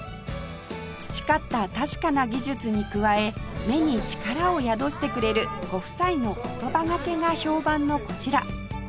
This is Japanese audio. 培った確かな技術に加え目に力を宿してくれるご夫妻の言葉がけが評判のこちら